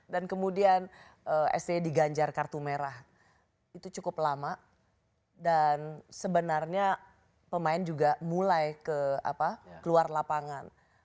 dan kemudian sti diganjar kartu merah itu cukup lama dan sebenarnya pemain juga mulai ke apa keluar lapangan